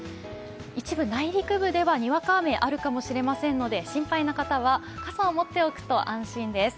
一部、内陸部では、にわか雨があるかもしれませんので、心配な方は傘を持っておくと安心です。